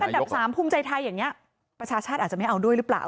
อันดับ๓ภูมิใจไทยอย่างนี้ประชาชาติอาจจะไม่เอาด้วยหรือเปล่า